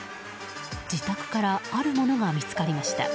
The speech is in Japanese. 自宅からあるものが見つかりました。